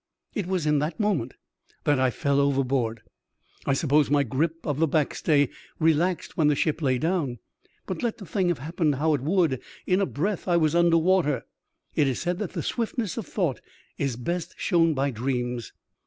It was in that moment that I fell overboard. I suppose my grip of the backstay relaxed when the ship lay down; but, let the thing have happened how it would, in a breath I was under water. It is said that the swiftness of thought is best shown by dreams.